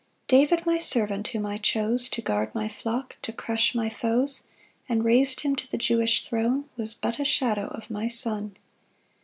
5 "David, my servant, whom I chose "To guard my flock, to crush my foes, "And rais'd him to the Jewish throne, "Was but a shadow of my Son."